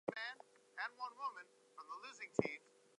Alloy heater controls and turned aluminium trim complimented this.